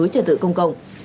trật tự công cộng